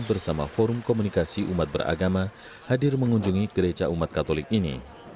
bersama forum komunikasi umat beragama hadir mengunjungi gereja umat katolik ini